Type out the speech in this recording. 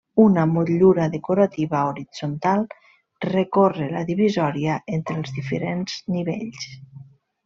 Una motllura decorativa horitzontal recorre la divisòria entre els diferents nivells.